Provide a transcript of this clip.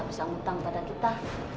bisa hutang pada kita